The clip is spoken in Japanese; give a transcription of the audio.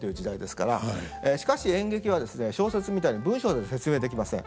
しかし演劇はですね小説みたいに文章で説明できません。